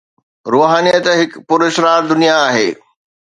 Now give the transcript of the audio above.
روحانيت هڪ پراسرار دنيا آهي.